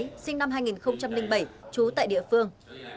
nguyễn hồng thái sinh năm hai nghìn bảy trú tại địa phương